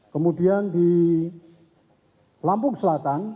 kemudian di lampung selatan